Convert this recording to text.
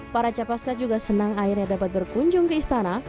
para capaska juga senang akhirnya dapat berkunjung ke istana